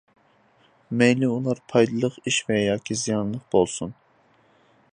مەيلى ئۇلار پايدىلىق ئىش ۋە ياكى زىيانلىق بولسۇن!